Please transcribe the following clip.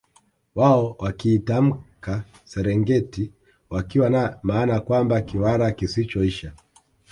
Wao wakiitamka Serengiti wakiwa na maana kwamba Kiwara kisichoisha